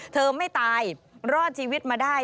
ไม่ตายรอดชีวิตมาได้